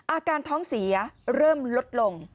อาการท้องเสียเริ่มลดลง